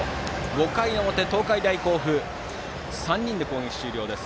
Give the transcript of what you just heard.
５回の表、東海大甲府３人で攻撃終了です。